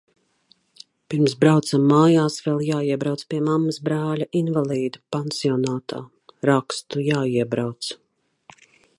Pirms braucam mājās vēl jāiebrauc pie mammas brāļa – invalīda – pansionātā. Rakstu jāiebrauc.